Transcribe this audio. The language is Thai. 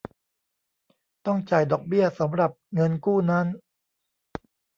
ต้องจ่ายดอกเบี้ยสำหรับเงินกู้นั้น